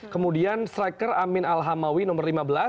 kemudian striker amin al hamawi nomor lima belas